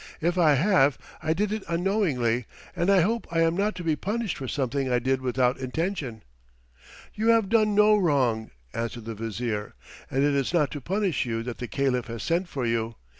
"If I have I did it unknowingly, and I hope I am not to be punished for something I did without intention." "You have done no wrong," answered the Vizier, "and it is not to punish you that the Caliph has sent for you.